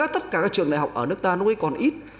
tất cả các trường đại học ở nước ta lúc ấy còn ít